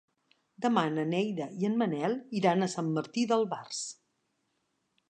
Demà na Neida i en Manel iran a Sant Martí d'Albars.